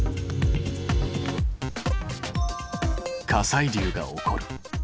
火砕流が起こる。